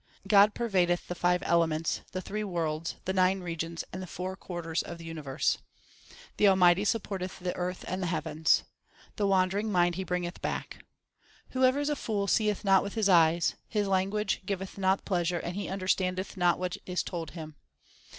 God pervadeth the five elements, the three worlds, the nine regions, and the four quarters of the universe. The Almighty support eth the earth and the heavens. The wandering mind He bringeth back. Whoever is a fool seeth not with his eyes ; His language giveth not pleasure, and he understandeth not what is told him.